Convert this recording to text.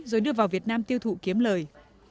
rồi đưa vào việt nam tiêu thụ kiếm lời